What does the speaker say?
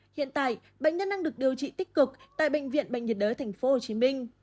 hiện tại bệnh nhân đang được điều trị tích cực tại bệnh viện bệnh nhiệt đới tp hcm